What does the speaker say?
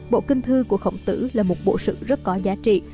bộ kinh thư của khổng tử là một bộ sự rất có giá trị